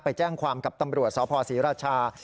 ไปแจ้งความกับตำรวจสพศรีราชา